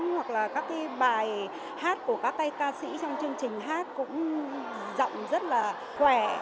hoặc là các cái bài hát của các cái ca sĩ trong chương trình hát cũng giọng rất là khỏe